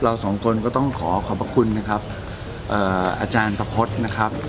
สองคนก็ต้องขอขอบพระคุณนะครับอาจารย์สะพดนะครับ